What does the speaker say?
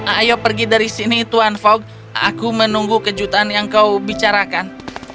ayo pergi dari sini tuan fog aku menunggu kejutan yang kau bicarakan